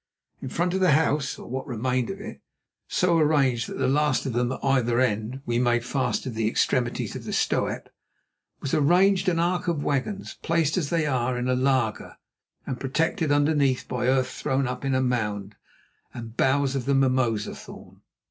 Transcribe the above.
In front of the house, or what remained of it, so arranged that the last of them at either end we made fast to the extremities of the stoep, was arranged an arc of wagons, placed as they are in a laager and protected underneath by earth thrown up in a mound and by boughs of the mimosa thorn.